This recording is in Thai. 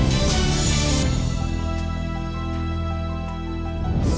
โหโหโหโหโหโหโห